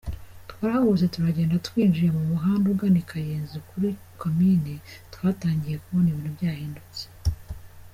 Twarahagurutse turagenda, twinjiye mu muhanda ugana i Kayenzi kuri komine, twatangiye kubona ibintu byahindutse.